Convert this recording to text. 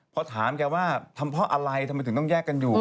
พอถามแกว่าทำเพราะอะไรทำไมถึงต้องแยกกันอยู่